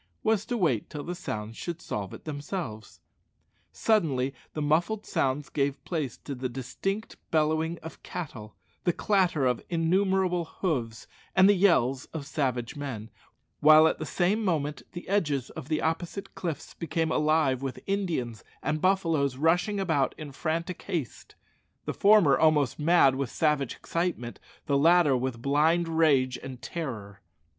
was to wait till the sounds should solve it themselves. Suddenly the muffled sounds gave place to the distinct bellowing of cattle, the clatter of innumerable hoofs, and the yells of savage men, while at the same moment the edges of the opposite cliffs became alive with Indians and buffaloes rushing about in frantic haste the former almost mad with savage excitement, the latter with blind rage and terror.